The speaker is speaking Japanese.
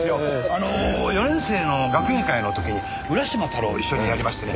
あの４年生の学芸会の時に『うらしまたろう』を一緒にやりましてね。